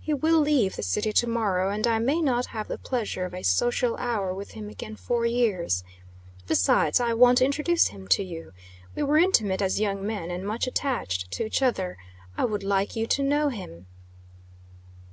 He will leave the city to morrow, and I may not have the pleasure of a social hour with him again for years. Besides, I want to introduce him to you. We were intimate as young men, and much attached to each other. I would like you to know him."